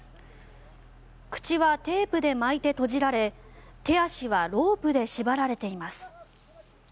口はテープで巻いて閉じられ手足はロープで縛られています。